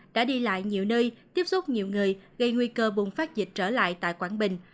đã đi lại nhiều nơi tiếp xúc nhiều người gây nguy cơ bùng phát dịch trở lại tại quảng bình